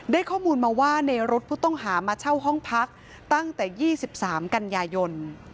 ได้ข้อมูลมาว่าในรถผู้ต้องหามาเช่าห้องพักตั้งแต่๒๓กันยายน